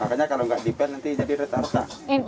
makanya kalau nggak dipel nanti jadi retak retak